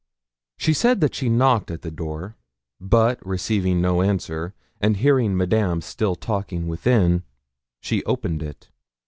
She said that she knocked at the door, but receiving no answer, and hearing Madame still talking within, she opened it.